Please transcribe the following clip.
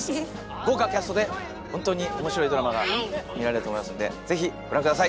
豪華キャストで本当に面白いドラマが見られると思いますのでぜひご覧下さい！